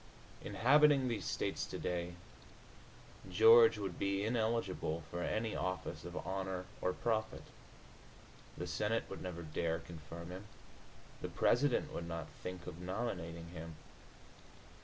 Inhabiting These States today, George would be ineligible for any office of honor or profit. The Senate would never dare confirm him; the President would not think of nominating him.